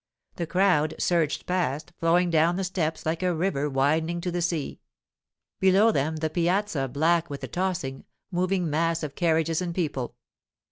The crowd surged past, flowing down the steps like a river widening to the sea. Below them the piazza was black with a tossing, moving mass of carriages and people.